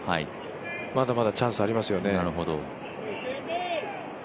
まだまだチャンスありますよね。